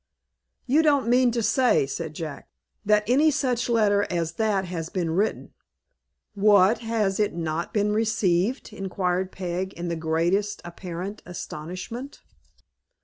"You don't mean to say," said Jack, "that any such letter as that has been written?" "What, has it not been received?" inquired Peg, in the greatest apparent astonishment.